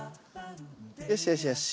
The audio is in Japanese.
よしよしよし。